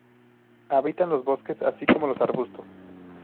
Habitan los bosques así como los arbustos.